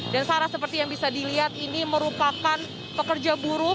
dan sarah seperti yang bisa dilihat ini merupakan pekerja buruh